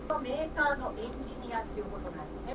An analogous zinc phosphate, "tarbuttite", is known.